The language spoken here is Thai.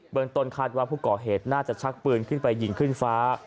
เมืองต้นคาดว่าผู้ก่อเหตุน่าจะชักปืนขึ้นไปยิงขึ้นฟ้า